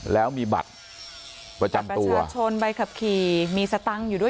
แล้วมีบัตรประจำตัวชนใบขับขี่มีสตังค์อยู่ด้วย